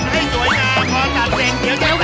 เร็ว